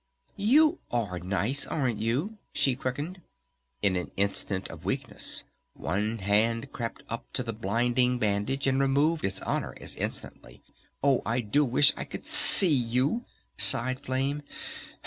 "You are nice, aren't you?" she quickened. In an instant of weakness one hand crept up to the blinding bandage, and recovered its honor as instantly. "Oh, I do wish I could see you," sighed Flame.